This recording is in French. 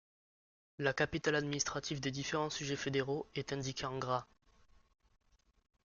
La capitale administrative des différents sujets fédéraux est indiquée en gras.